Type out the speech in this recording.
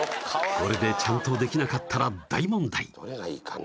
これでちゃんとできなかったら大問題